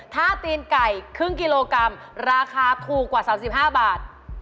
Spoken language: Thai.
ถ้าตีนไก่ครึ่งกิโลกรัมราคาถูกกว่า๓๕บาท